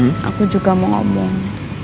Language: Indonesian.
aku juga mau ngomong